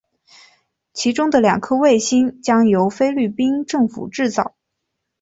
其中的两颗卫星将由菲律宾政府制造。